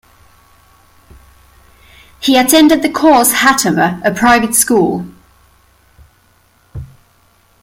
He attended the Cours Hattemer, a private school.